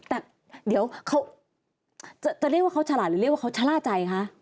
แต่เดี๋ยวเขาจะเรียกว่าเขาฉลาดหรือเรียกว่าเขาชะล่าใจคะ